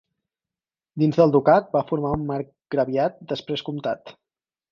Dins del ducat va formar un marcgraviat després comtat.